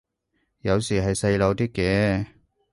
有時係細路啲嘅